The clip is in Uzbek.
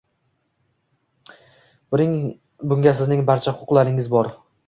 Bunga sizning barcha huquqlaringiz bor